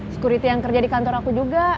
security yang kerja di kantor aku juga